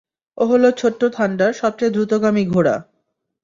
ও হলো ছোট্ট থান্ডার, সবচেয়ে দ্রুতগামী ঘোড়া।